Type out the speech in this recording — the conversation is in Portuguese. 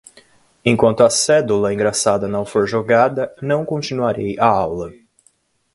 Enquanto a cédula engraçada não for jogada, não continuarei a aula.